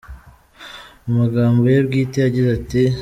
Mu magambo ye bwite yagize ati:.